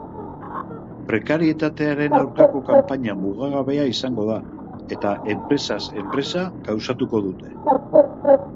Prekarietatearen aurkako kanpaina mugagabea izango da, eta enpresaz enpresa gauzatuko dute.